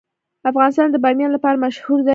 افغانستان د بامیان لپاره مشهور دی.